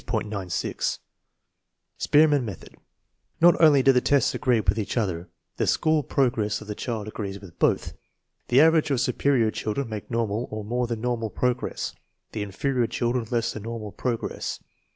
96, Spearman method. Not only do the tests agree with each other; the school progress of the child agrees with both. The average or su perior children make normal or more than normal progress; the inferior children less than normal pro gress.